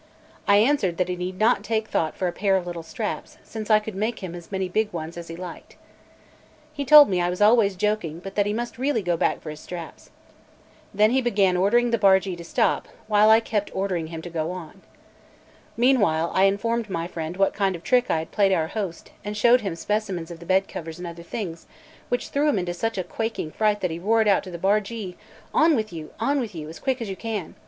I answered that he need not take thought for a pair of little straps, since I could make him as many big ones as he liked. He told me I was always joking, but that he must really go back for his straps. Then he began ordering the bargee to stop, while I kept ordering him to go on. Meanwhile I informed my friend what kind of trick I had played our host, and showed him specimens of the bed covers and other things, which threw him into such a quaking fright that he roared out to the bargee: "On with you, on with you, as quick as you can!"